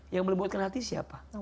yang melembutkan hati siapa